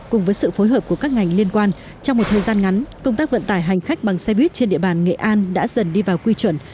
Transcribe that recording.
cùng với sự phối hợp của các ngành liên quan trong một thời gian ngắn công tác vận tải hành khách bằng xe buýt trên địa bàn nghệ an đã dần đi vào quy chuẩn